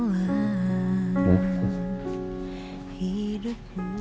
aku mau ke sekolah